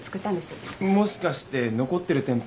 もしかして残ってる店舗